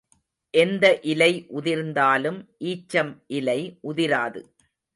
எந்த இலை உதிர்ந்தாலும் ஈச்சம் இலை உதிராது.